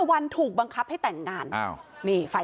ไปพบกับนักศึกนะท่านพี่